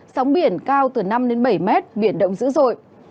sóng biển cao từ năm bảy m biển động dữ dội